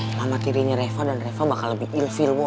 mama tirinya reva dan reva bakal lebih ilfil boy